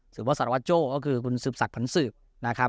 หรือว่าสารวัตโจ้ก็คือคุณสืบศักดิผันสืบนะครับ